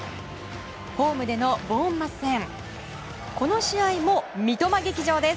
ホームでのボーンマス戦この試合も三笘劇場です。